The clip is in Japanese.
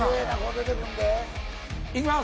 いきます！